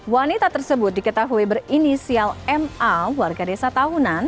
wanita tersebut diketahui berinisial ma warga desa tahunan